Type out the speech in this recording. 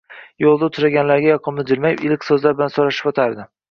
Yo`lida uchraganlarga yoqimli jilmayib, iliq so`zlar bilan so`rashib o`tardi